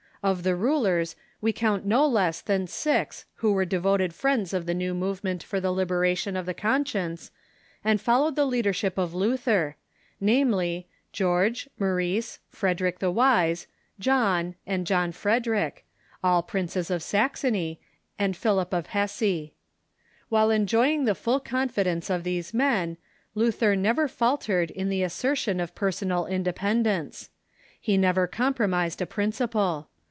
Of the rulers, we count no less than six who were devoted friends of the new move ment for the liberation of the conscience, and followed the leadership of Luther, namely : George, Maurice, Frederick the Wise, John, and John Frederick, all princes of Saxony, and Philip of Hesse. While enjoying the full confidence of these men, Luther never faltered in the assertion of personal inde pendence. He never compromised a principle.